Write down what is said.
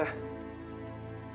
ada apa bu